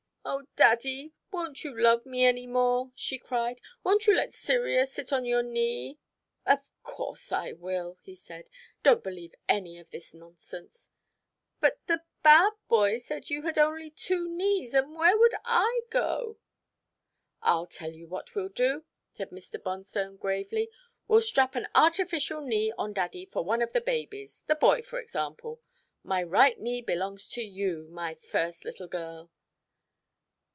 "Oh, Daddy, won't you love me any more?" she cried. "Won't you let Cyria sit on your knee?" "Of course, I will," he said. "Don't believe any of this nonsense." "But the bad boy said you had only two knees, and where would I go?" "I'll tell you what we'll do," said Mr. Bonstone gravely, "we'll strap an artificial knee on Daddy for one of the babies the boy for example. My right knee belongs to you, my first little girl."